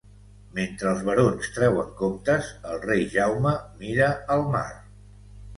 Mentre els barons trauen comptes el rei Jaume mira el mar.